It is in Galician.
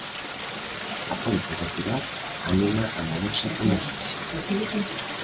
A ponte do Pilar anima a moverse como sexa...